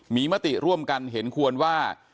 มีมติร่วมกันเห็นควรว่า